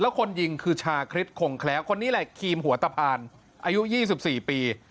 แล้วคนยิงคือชาคริสต์โคงแคล้คนนี้แหละครีมหัวตะพานอายุยี่สิบสี่ปี